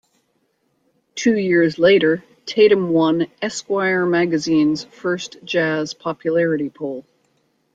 Two years later Tatum won "Esquire" magazine's first jazz popularity poll.